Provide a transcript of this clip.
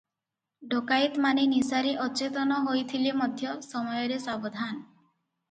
ଡକାଏତମାନେ ନିଶାରେ ଅଚେତନ ହୋଇଥିଲେ ମଧ୍ୟ ସମୟରେ ସାବଧାନ ।